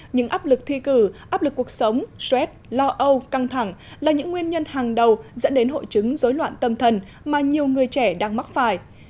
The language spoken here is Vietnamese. những áp lực thi cử áp lực cuộc sống stress lo âu căng thẳng là những nguyên nhân hàng đầu dẫn đến hội chứng dối loạn tâm thần mà nhiều người trẻ đang mắc phải